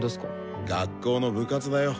学校の部活だよ。